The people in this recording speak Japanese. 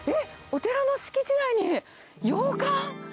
お寺の敷地内に洋館？